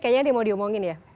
kayaknya ada yang mau diomongin ya